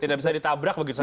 tidak bisa ditabrak begitu